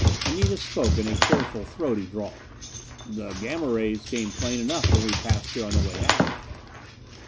Anita spoke in a careful, throaty drawl. "The Gamma rays came plain enough when we passed here on the way out."